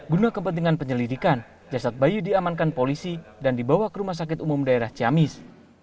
guna kepentingan penyelidikan jasad bayu diamankan polisi dan dibawa ke rumah sakit umum daerah ciamis